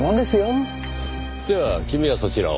では君はそちらを。